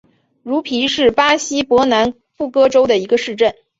茹皮是巴西伯南布哥州的一个市镇。